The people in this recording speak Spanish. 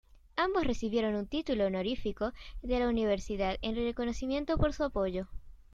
Ambos recibieron un título honorífico de la universidad, en reconocimiento por su apoyo.